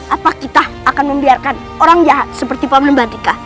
apa kita akan membiarkan orang jahat seperti pak meremban hika